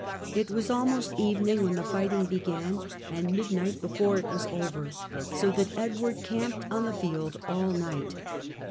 It was almost evening when the fighting began, and midnight before it was over, so that Edward camped on the field all night.